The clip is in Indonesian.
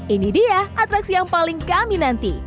ini dia atraksi yang paling kami suka